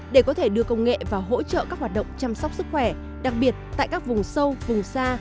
để có thể đưa công nghệ vào hỗ trợ các hoạt động chăm sóc sức khỏe đặc biệt tại các vùng sâu vùng xa